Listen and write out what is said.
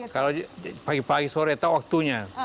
kalau pagi pagi sore tau waktunya